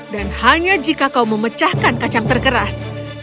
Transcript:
dan hanya jika kau memecahkan kacang terkeras